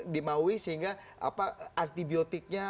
dimaui sehingga antibiotiknya